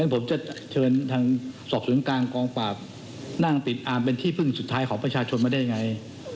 ผมจะเชิญทางสอบศูนย์กลางกองปราบนั่งติดอามเป็นที่พึ่งสุดท้ายของประชาชนมาได้ยังไง